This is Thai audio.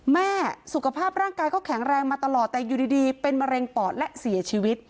สุขภาพร่างกายก็แข็งแรงมาตลอดแต่อยู่ดีเป็นมะเร็งปอดและเสียชีวิต